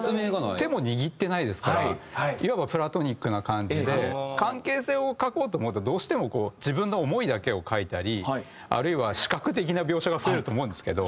手も握ってないですからいわばプラトニックな感じで関係性を書こうと思うとどうしても自分の思いだけを書いたりあるいは視覚的な描写が増えると思うんですけど。